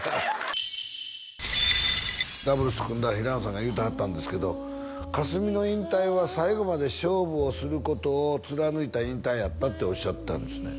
ダブルス組んだ平野さんが言うてはったんですけど佳純の引退は最後まで勝負をすることを貫いた引退やったっておっしゃってたんですね